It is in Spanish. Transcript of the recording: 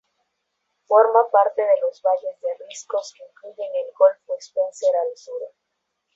Forma parte de los valles de riscos que incluyen el Golfo Spencer al sur.